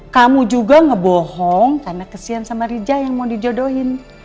kamu juga ngebohong karena kesian sama rijah yang mau dijodohin